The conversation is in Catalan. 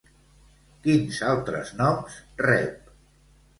Quins altres noms rep?